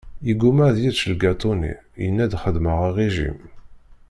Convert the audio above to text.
Yegguma ad yečč lgaṭu-nni, yenna-d xeddmeɣ rrijim.